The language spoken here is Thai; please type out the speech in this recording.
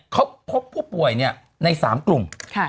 เขาพบผู้ป่วยใน๓กลุ่ม